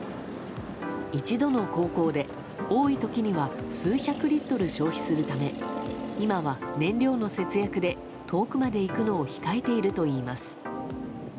一度の航行で多い時には数百リットル消費するため今は、燃料の節約で遠くまで行くのを控えているといいます。